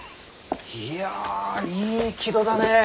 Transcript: いやいい木戸だねえ。